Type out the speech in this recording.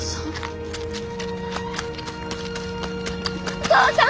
お父さん！？